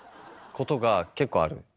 ことが結構ある。